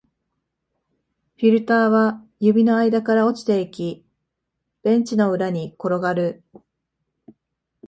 フィルターは指の間から落ちていき、ベンチの裏に転がる